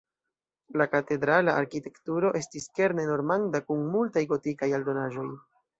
La katedrala arkitekturo estis kerne normanda kun multaj gotikaj aldonaĵoj.